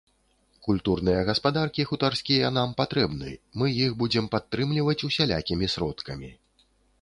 Культурныя гаспадаркі хутарскія нам патрэбны, мы іх будзем падтрымліваць усялякімі сродкамі!